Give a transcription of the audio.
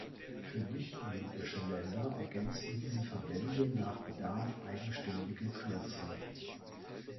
Für nicht olympische Länder ergänzen diese Verbände nach Bedarf eigenständige Kürzel.